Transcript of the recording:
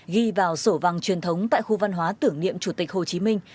ghi vào sổ vàng truyền thống tại khu văn hóa tưởng niệm chủ tịch hồ chí minh